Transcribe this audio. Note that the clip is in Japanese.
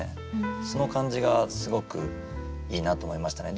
その感じがすごくいいなと思いましたね。